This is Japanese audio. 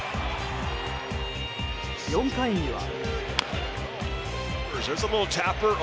４回には。